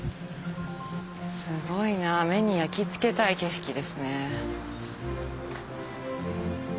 すごいな目に焼き付けたい景色ですね。